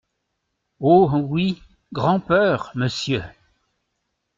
Oh ! oui, grand’peur, monsieur !